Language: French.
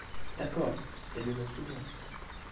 D'accord, s'il y a du monde qui vient.